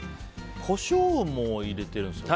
コショウも入れてるんですね。